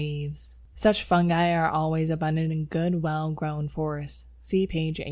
Such fungi are always abundant in good, well grown forests (see p. 86).